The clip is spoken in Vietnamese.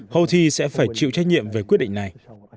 houthi sẽ phải chịu trách nhiệm về quyết định này